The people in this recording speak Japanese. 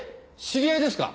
知り合いですか？